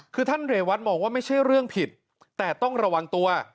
คือท่านเรวัตมองว่าไม่ใช่เรื่องผิดแต่ต้องระวังตัว